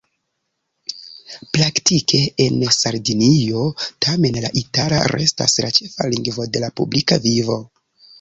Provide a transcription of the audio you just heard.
Praktike en Sardinio tamen la itala restas la ĉefa lingvo de la publika vivo.